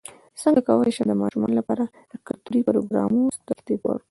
څنګه کولی شم د ماشومانو لپاره د کلتوري پروګرامونو ترتیب ورکړم